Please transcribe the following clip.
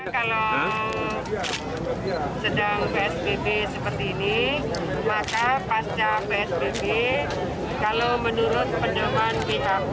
kalau sedang psbb seperti ini maka pasca psbb kalau menurut pendoman pihak